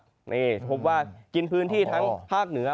นี่จะพบว่ากินพื้นที่ทั้งภาคเหนือ